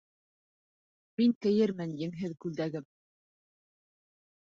Мин кейермен еңһеҙ кулдәгем.